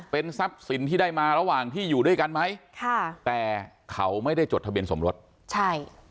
เป็นทรัพย์สินที่ได้มาระหว่างที่อยู่ด้วยกันไหมค่ะแต่เขาไม่ได้จดทะเบียนสมรสใช่